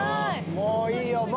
もういいよ！